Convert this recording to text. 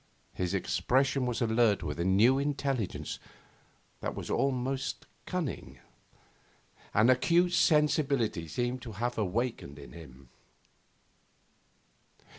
His expression was alert with a new intelligence that was almost cunning. An acute sensibility seemed to have awakened in him.